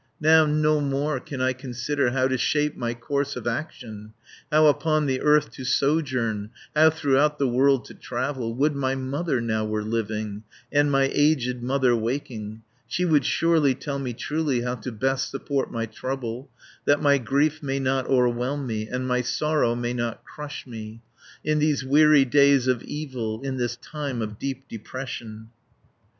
"Now no more can I consider How to shape my course of action, How upon the earth to sojourn, 210 How throughout the world to travel. Would my mother now were living, And my aged mother waking! She would surely tell me truly How to best support my trouble, That my grief may not o'erwhelm me, And my sorrow may not crush me, In these weary days of evil, In this time of deep depression."